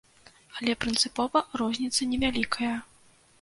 Але прынцыпова розніца не вялікая.